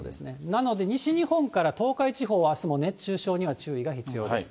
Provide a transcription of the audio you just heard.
なので、西日本から東海地方はあすも熱中症には注意が必要です。